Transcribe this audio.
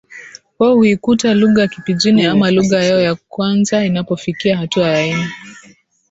wao huikuta lugha ya kipijini ama lugha yao ya kwanza Inapofikia hatua ya aina